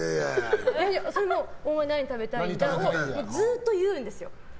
それもお前何食べたいをずっと言うんですよ。